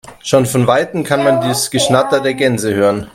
Schon von weitem kann man das Geschnatter der Gänse hören.